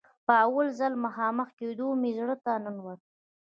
په اول ځل مخامخ کېدو مې زړه ته ننوته.